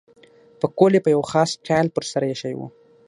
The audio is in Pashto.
پکول یې په یو خاص سټایل پر سر اېښی وو.